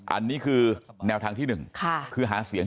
อันนี้คือแนวทางที่หนึ่งค่ะคือหาเสียง